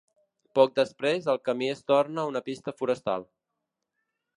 Poc després el camí es torna una pista forestal.